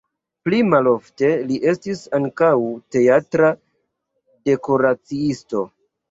Pli malofte li estis ankaŭ teatra dekoraciisto.